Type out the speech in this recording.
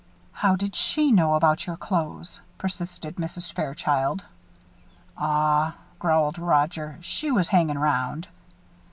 "How did she know about your clothes?" persisted Mrs. Fairchild. "Aw," growled Roger, "she was hangin' 'round."